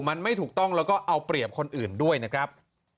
มันไม่ถูกต้องแล้วก็เอาเปรียบคนอื่นด้วยนะครับ